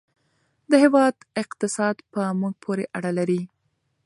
د هېواد اقتصاد په موږ پورې اړه لري.